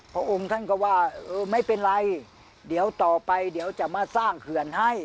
พระองค์ท่านก็ว่าเออไม่เป็นไรเดี๋ยวต่อไปเดี๋ยวจะมาสร้างเขื่อนให้